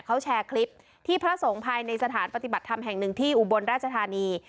เขาแชร์คลิปที่พระสงฆ์ภายในสถานปฏิบัติธรรมแห่งหนึ่งที่อุบลราชธานี